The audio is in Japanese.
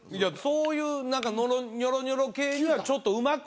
そういうニョロニョロ系にはちょっとうまく